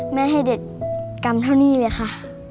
ให้เด็กกำเท่านี้เลยค่ะ